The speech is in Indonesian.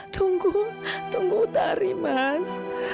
tunggu tunggu tari mas